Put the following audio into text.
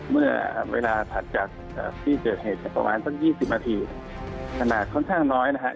เมื่อเวลาถัดจากที่เกิดเหตุประมาณสัก๒๐นาทีขนาดค่อนข้างน้อยนะฮะ